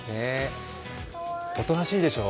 おとなしいでしょう。